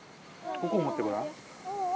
ここを持ってごらん。